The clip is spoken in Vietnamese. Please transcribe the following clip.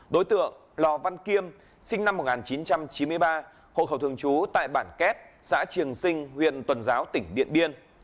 đối tượng lò văn kiêm sinh năm một nghìn chín trăm chín mươi ba hộ khẩu thường trú tại bản két xã triềng sinh huyện tuần giáo tỉnh điện biên